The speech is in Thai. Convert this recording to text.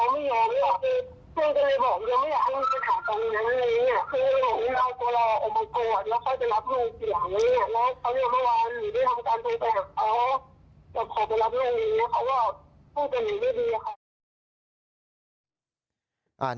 นี่แหละครับ